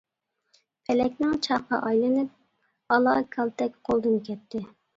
پەلەكنىڭ چاقى ئايلىنىپ ئالا كالتەك قولدىن كەتتى.